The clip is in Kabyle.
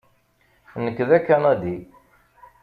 Nekk d Akanadi.